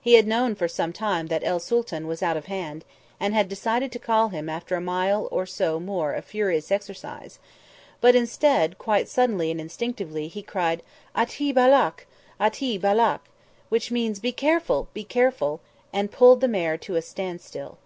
He had known for some time that el Sooltan was out of hand, and had decided to call him after a mile or so more of furious exercise; but, instead, quite suddenly and instinctively, he cried, "A'ti balak! a'ti balak!" which means, "Be careful be careful," and pulled the mare to a standstill.